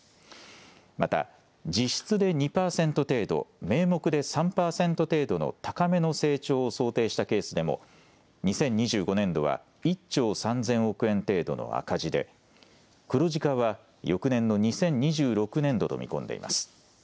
また実質で２％程度、名目で３％程度の高めの成長を想定したケースでも２０２５年度は１兆３０００億円程度の赤字で黒字化は翌年の２０２６年度と見込んでいます。